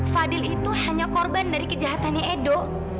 fadil itu hanya korban dari kejahatannya edo